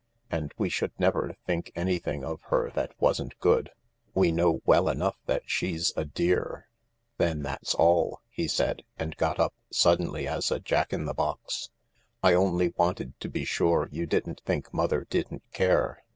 And we should never think anything of her that wasn't good. We know well enough that she's a dear." " Then that's all," he said, and got upsuddenly as a Jack in the box. " I only wanted to be sure you didn't think mother didn't care.